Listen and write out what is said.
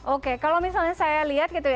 oke kalau misalnya saya lihat gitu ya